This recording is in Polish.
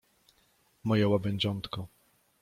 Moje łabędziątko.